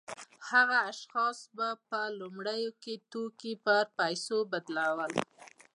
هغه شخص به په لومړیو کې توکي په پیسو بدلول